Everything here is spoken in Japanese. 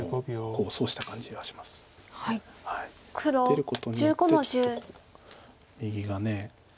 出ることによって右が。